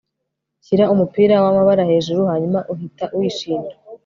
shyira umupira wamabara hejuru hanyuma uhita wishimye